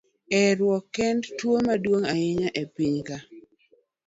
Herruok kend e tuo maduong' ahinya e piny ka.